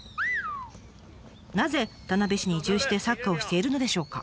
なぜ田辺市に移住してサッカーをしているのでしょうか？